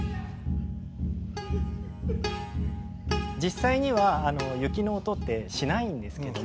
実際には雪の音ってしないんですけども。